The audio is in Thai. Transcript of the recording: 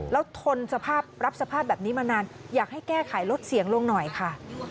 แล้วทนสภาพรับสภาพแบบนี้มานานอยากให้แก้ไขลดเสียงลงหน่อยค่ะ